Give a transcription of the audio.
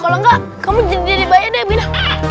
kalau enggak kamu jadi dede bayi aja ya bina